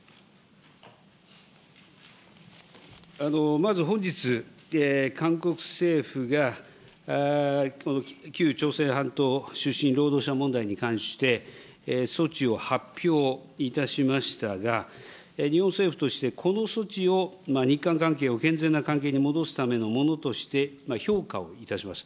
まず本日、韓国政府が旧朝鮮半島出身労働者問題に対して、措置を発表いたしましたが、日本政府として、この措置を、日韓関係を健全な関係に戻すためのものとして評価をいたします。